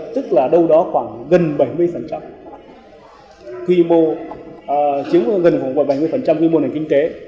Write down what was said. tức là đâu đó khoảng gần bảy mươi quy mô này kinh tế